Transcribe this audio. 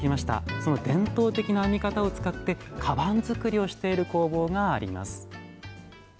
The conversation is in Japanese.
その伝統的な編み方を使ってかばん作りをしている工房があります。